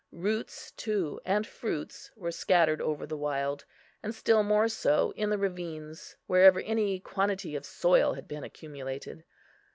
Roots too and fruits were scattered over the wild; and still more so in the ravines, wherever any quantity of soil had been accumulated.